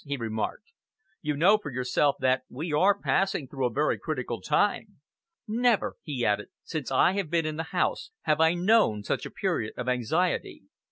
he remarked. "You know for yourself that we are passing through a very critical time. Never," he added, "since I have been in the House, have I known such a period of anxiety."